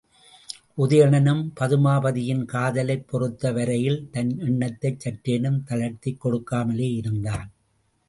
உதயணனும் பதுமாபதியின் காதலைப் பொறுத்தவரையில் தன் எண்ணத்தைச் சற்றேனும் தளர்த்திக் கொடுக்காமலே இருந்தான்.